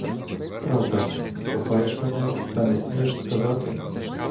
Правда, кохаєш мене, та не смієш сказати?